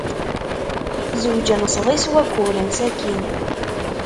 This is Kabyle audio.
Zewǧen sḍis n wayyuren sakkin.